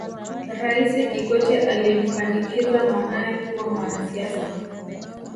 raisi kikwete alimpandikiza mwanae kuwa mwanasiasa